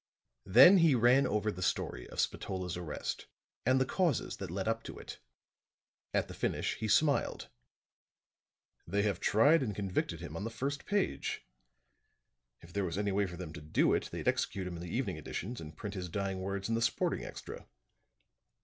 Then he ran over the story of Spatola's arrest and the causes that led up to it. At the finish he smiled. "They have tried and convicted him on the first page. If there was any way for them to do it, they'd execute him in the evening editions and print his dying words in the sporting extra.